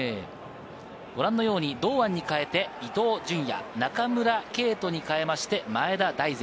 ご覧のように堂安に代えて伊東純也、中村敬斗に代えて、前田大然。